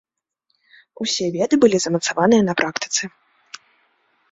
Усе веды былі замацаваныя на практыцы.